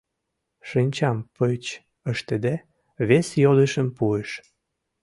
Шинчам пыч ыштыде, вес йодышым пуыш: